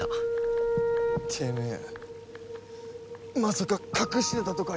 てめえまさか隠してたとか言わねえ。